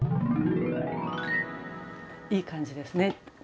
いい感じですね。